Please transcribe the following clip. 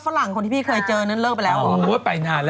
ถ้าแต่งที่พี่ก็ต้องได้รับเชิญไปสิคะ